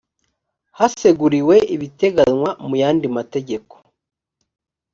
haseguriwe ibiteganywa mu yandi mategeko